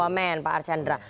wah men pak arcandra